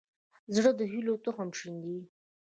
زړه د هيلو تخم شیندي.